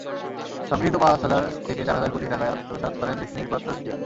সংগৃহীত পাঁচ হাজার থেকে চার হাজার কোটি টাকাই আত্মসাৎ করেন ডেসটিনির কর্তাব্যক্তিরা।